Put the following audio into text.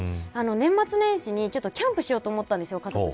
年末年始にキャンプしようと思ったんです、家族で。